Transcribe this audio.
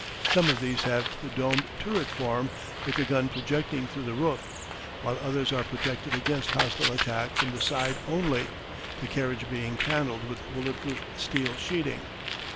Some of these have the domed turret form, with the gun projecting through the roof, while others are protected against hostile attack from the side only, the carriage being panelled with bullet proof steel sheeting.